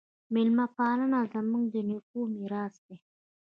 میلمه پالنه زموږ د نیکونو میراث دی.